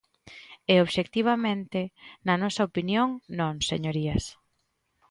E, obxectivamente, na nosa opinión, non, señorías.